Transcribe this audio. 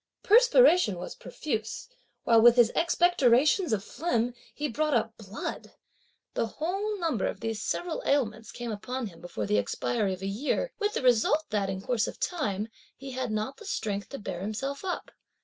Perspiration was profuse, while with his expectorations of phlegm, he brought up blood. The whole number of these several ailments came upon him, before the expiry of a year, (with the result that) in course of time, he had not the strength to bear himself up.